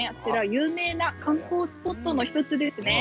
有名な観光スポットの１つですね。